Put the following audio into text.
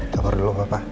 kamar dulu papa